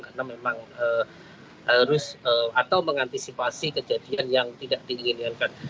karena memang harus atau mengantisipasi kejadian yang tidak diinginkan